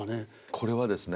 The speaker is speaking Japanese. これはですね